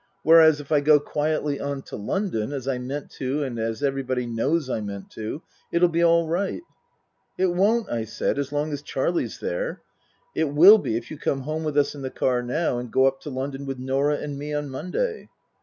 Whereas, if I go quietly on to London, as I meant to and as everybody knows I meant to, it'll be all right." " It won't," I said, " as long as Charlie's there. It will be if you come home with us in the car now, and go up to town with Norah and me on Monday."